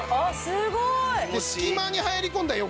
すごい！